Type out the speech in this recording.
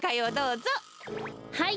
はい。